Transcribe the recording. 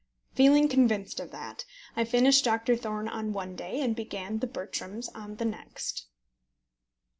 Feeling convinced of that, I finished Doctor Thorne on one day, and began The Bertrams on the next.